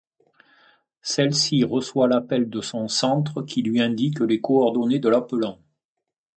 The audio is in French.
Celle-ci reçoit l'appel de son centre qui lui indique les coordonnées de l'appelant.